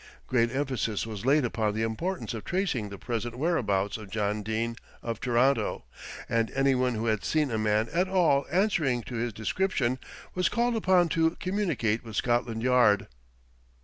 Great emphasis was laid upon the importance of tracing the present whereabouts of John Dene of Toronto, and anyone who had seen a man at all answering to his description, was called upon to communicate with Scotland Yard.